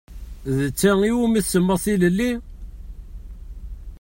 D ta i wumi tsemmaḍ tilelli?